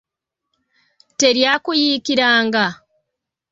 Teryakuyiikiranga?